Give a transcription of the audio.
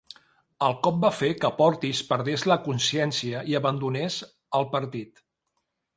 El cop va fer que Portis perdés la consciència i abandonés el partit.